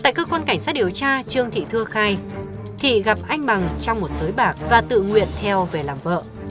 tại cơ quan cảnh sát điều tra trương thị thưa khai thị gặp anh bằng trong một sới bạc và tự nguyện theo về làm vợ